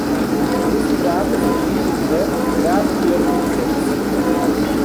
This graph is a tree in the graph-theoretic sense.